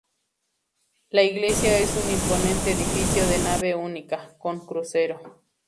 La iglesia es un imponente edificio de nave única, con crucero.